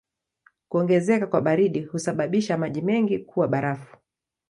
Kuongezeka kwa baridi husababisha maji mengi kuwa barafu.